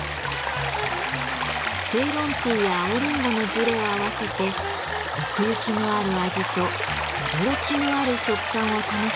セイロンティーや青りんごのジュレを合わせて奥行きのある味と驚きのある食感を楽しめるパフェに。